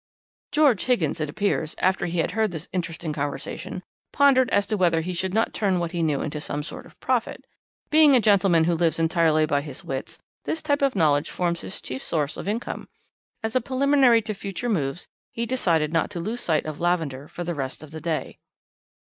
"George Higgins, it appears, after he had heard this interesting conversation, pondered as to whether he could not turn what he knew into some sort of profit. Being a gentleman who lives entirely by his wits, this type of knowledge forms his chief source of income. As a preliminary to future moves, he decided not to lose sight of Lavender for the rest of the day.